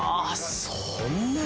そんなに？